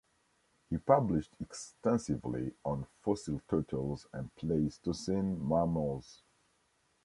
He published extensively on fossil turtles and Pleistocene mammals.